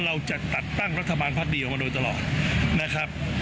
ต้องจัดการไม่ให้มีการทำรัฐประหารได้อีกนะครับ